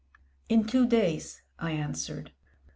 In two days," I answered.